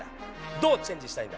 どうチェンジしたいんだ。